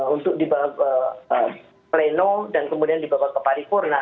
untuk di bawah pleno dan kemudian di bawah kepari kurna